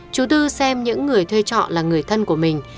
chú tư xem những người thuê trọ là người thân của mình